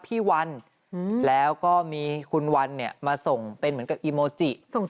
พี่วันแล้วก็มีคุณวันเนี่ยมาส่งเป็นเหมือนกับอีโมจิ